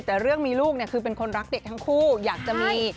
แต่เรื่องมีลูกเนี่ยคือเป็นคนรักเด็กทั้งคู่อยากจะมี